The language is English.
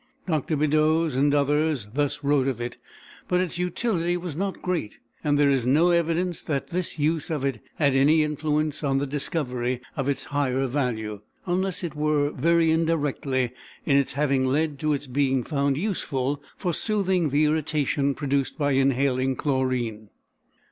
Dr. Beddoes and others thus wrote of it: but its utility was not great, and there is no evidence that this use of it had any influence on the discovery of its higher value, unless it were, very indirectly, in its having led to its being found useful for soothing the irritation produced by inhaling chlorine.